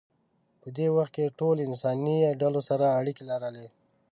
په دې وخت کې ټولو انساني ډلو سره اړیکې لرلې.